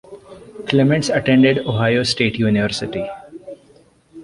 Clements attended Ohio State University.